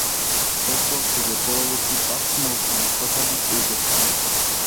এরপর থেকে পরবর্তী পাঁচ মৌসুমে শতাধিক উইকেট পান।